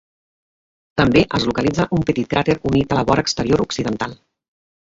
També es localitza un petit cràter unit a la vora exterior occidental.